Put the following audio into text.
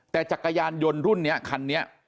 แต่จักรยานยนต์รุ่นนี้คันนี้